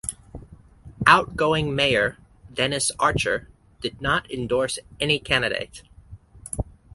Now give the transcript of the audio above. Outgoing mayor Dennis Archer did not endorse any candidate.